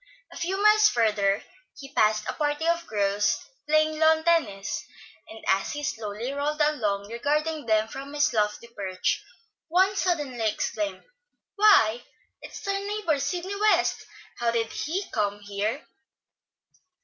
A few miles further he passed a party of girls playing lawn tennis, and as he slowly rolled along regarding them from his lofty perch, one suddenly exclaimed: "Why, it's our neighbor, Sidney West! How did he come here?"